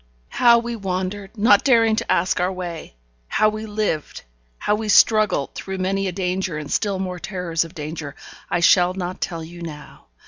How we wandered not daring to ask our way how we lived, how we struggled through many a danger and still more terrors of danger, I shall not tell you now.